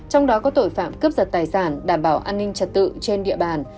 trong đó có tội phạm cướp giật tài sản đảm bảo an ninh trật tự trên địa bàn